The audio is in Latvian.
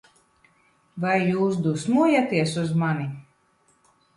Vai jūs dusmojaties uz mani?